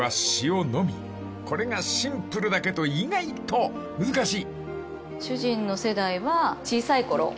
［これがシンプルだけど意外と難しい！］